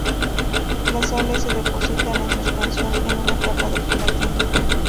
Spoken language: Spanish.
Las sales se depositan en suspensión en una capa de gelatina.